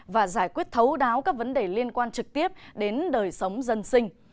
và giải quyết thấu đáo các vấn đề liên quan trực tiếp đến đời sống dân sinh